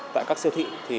tại các siêu thị